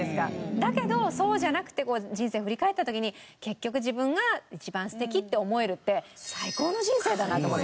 だけどそうじゃなくて人生を振り返った時に結局自分が一番素敵って思えるって最高の人生だなと思って。